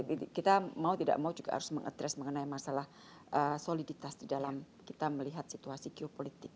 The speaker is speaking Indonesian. tapi kita mau tidak mau juga harus mengadres mengenai masalah soliditas di dalam kita melihat situasi geopolitik